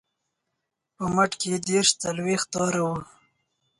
په مټ کې یې دېرش څلویښت تاره وه.